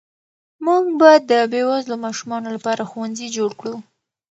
موږ به د بې وزلو ماشومانو لپاره ښوونځي جوړ کړو.